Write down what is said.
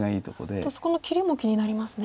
あとそこの切りも気になりますね。